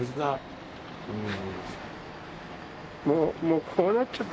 うん。